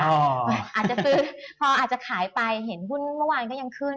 อาจจะซื้อพออาจจะขายไปเห็นหุ้นเมื่อวานก็ยังขึ้น